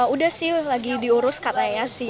udah sih lagi diurus katanya sih